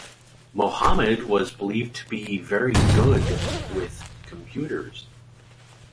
Mohammed was believed to "be very good with computers".